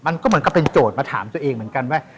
มันก็เหมือนกับเป็นโจทย์มาถามตัวเองเหมือนกันว่า